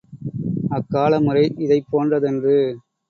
அக்கால முறை இதைப் போன்ற தன்று.